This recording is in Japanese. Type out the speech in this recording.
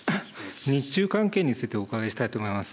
日中関係についてお伺いしたいと思います。